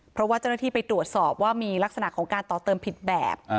เพราะว่าเจ้าหน้าที่ไปตรวจสอบว่ามีลักษณะของการต่อเติมผิดแบบ